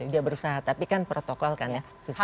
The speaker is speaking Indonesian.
dia berusaha tapi kan protokol kan susah ya